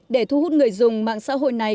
để thu hút người dùng mạng xã hội này